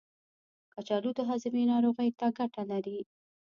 کچالو د هاضمې ناروغیو ته ګټه لري.